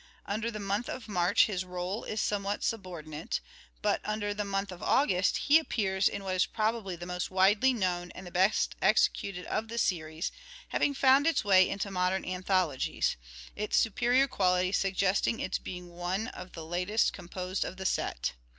Under the month of March his role is somewhat subordinate ; but under the month of August he appears in what is probably the most widely known and the best executed of the series ; having found its way into modern anthologies: its superior quality suggesting its being one of the latest MANHOOD OF DE VERE : MIDDLE PERIOD 343 composed of the set.